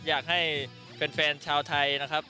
อยากให้แฟนชาวไทยนะครับ